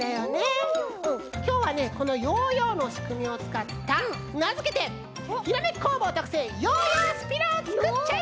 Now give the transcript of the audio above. きょうはねこのヨーヨーのしくみをつかったなづけて「ひらめき工房」とくせいヨーヨースピナーをつくっちゃいます！